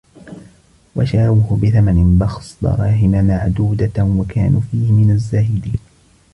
وشروه بثمن بخس دراهم معدودة وكانوا فيه من الزاهدين